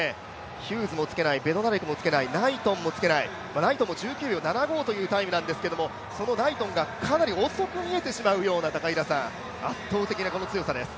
ヒューズもつけない、ベドナレクもつけない、ナイトンもつけない、ナイトンも１９秒７５というタイムなんですけれども、そのナイトンがかなり遅く見えてしまうような圧倒的なこの強さです。